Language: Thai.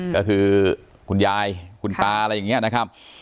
ก็คือคุณยายคุณตาอะไรอย่างนี้นะครับ